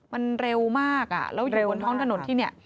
มันเร็วมากแล้วอยู่บนท้องถนนที่นี่